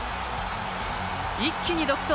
一気に独走。